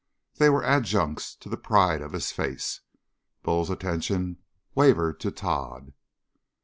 They were adjuncts to the pride of his face. Bull's attention wavered to Tod.